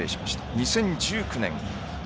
２０１９年